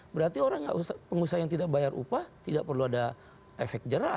berarti orang pengusaha yang tidak bayar upah tidak perlu ada efek jerah